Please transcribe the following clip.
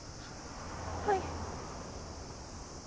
はい。